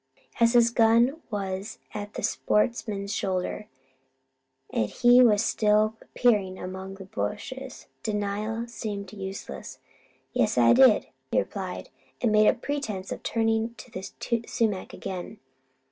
As his gun was at the sportman's shoulder, and he was still peering among the bushes, denial seemed useless. "Yes, I did," he replied, and made a pretense of turning to the sumac again.